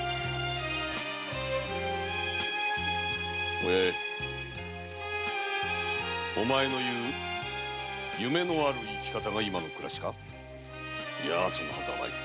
お八重お前の言う夢のある生き方が今の暮らしかいやそんなはずはない